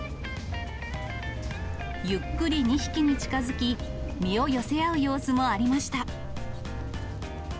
ゆっくり２匹に近づき、身を寄せ合う様子もありました。